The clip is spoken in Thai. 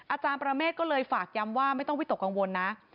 อาจารย์ประเมฆก็เลยฝากย้ำว่าไม่ต้องวิตกกังวลนะ